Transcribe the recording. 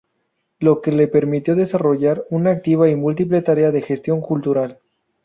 Lo que le permitió desarrollar una activa y múltiple tarea de gestión cultural.